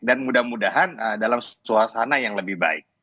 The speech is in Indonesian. dan mudah mudahan dalam suasana yang lebih baik